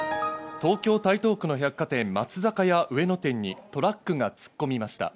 東京・台東区の百貨店、松坂屋・上野店にトラックが突っ込みました。